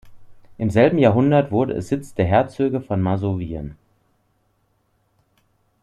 Im selben Jahrhundert wurde es Sitz der Herzöge von Masowien.